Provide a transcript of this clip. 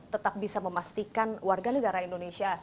tetap bisa memastikan warga negara indonesia